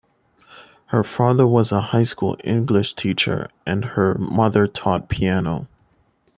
Her father was a high school English teacher and her mother taught piano.